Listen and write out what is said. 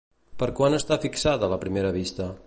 Per quan està fixada la primera vista?